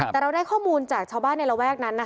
แต่เราได้ข้อมูลจากชาวบ้านในระแวกนั้นนะคะ